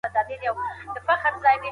انسان ته یو ځانګړی حیثیت ورکړل سوی دی.